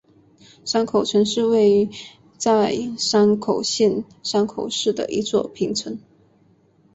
山口城是位在山口县山口市的一座平城。